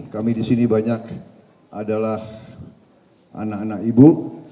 kami disini banyak adalah anak anak ibu